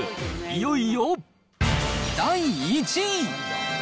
いよいよ第１位。